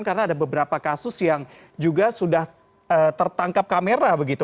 karena ada beberapa kasus yang juga sudah tertangkap kamera begitu